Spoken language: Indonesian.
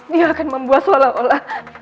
dia akan membuat seolah olah